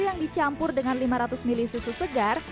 yang dicampur dengan lima ratus mili susu segar